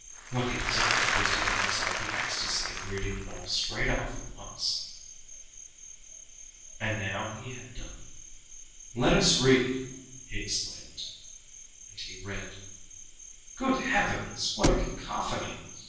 What he desired was to give himself the ecstasy of reading it all straight off at once. And now he had done. "Let us read!" he exclaimed. And he read. Good heavens! what cacophony!